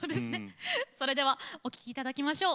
それではお聴きいただきましょう。